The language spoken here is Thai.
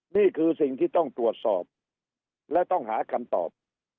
นี่คือสิ่งที่ต้องตรวจสอบและต้องหาคำตอบ